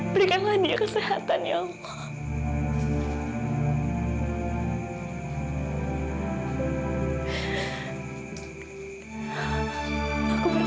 berikanlah dia kesehatan ya allah